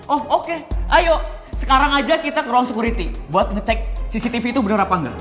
oh oke ayo sekarang aja kita ke ruang security buat ngecek cctv itu benar apa enggak